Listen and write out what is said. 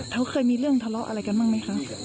เขาเคยมีเรื่องทะเลาะอะไรกันบ้างไหมคะ